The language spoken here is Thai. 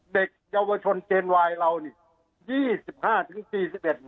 เด็กเยาวชนเจนวายเรานี่ยี่สิบห้าถึงสี่สิบเอ็ด